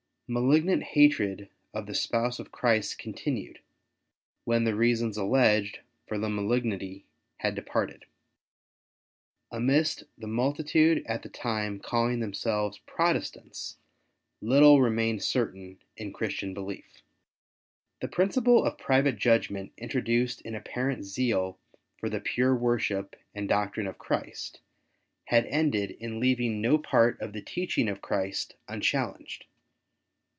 Malignant hatred of the Spouse of Christ continued, when the reasons alleged for the malignity had departed. Amidst the multitude at that time calling themselves Protestants little remained certain in Christian belief. 6 WAR OF ANTICHRIST WITH THE CHURCH. The principle of private judgment introduced in apparent zeal for the pure worship and doctrine of Christ, had ended in leaving no part of the teaching of Christ unchallenged.